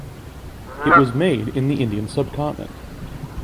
It was made in the Indian subcontinent.